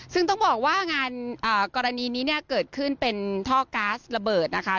ซึ่งต้องบอกว่างานกรณีนี้เนี่ยเกิดขึ้นเป็นท่อก๊าซระเบิดนะคะ